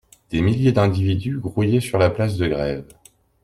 Des milliers d'individus grouillaient sur la place de Grève.